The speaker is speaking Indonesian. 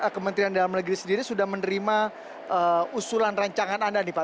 kementerian dalam negeri sendiri sudah menerima usulan rancangan anda nih pak